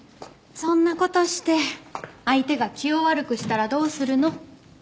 そんな事して相手が気を悪くしたらどうするの？